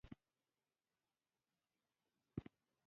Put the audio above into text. سوالګر ته الله د خیر دروازې خلاصې کړې